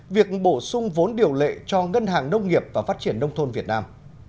việc bổ sung vốn điều lệ cho ngân hàng nông nghiệp và phát triển nông thôn việt nam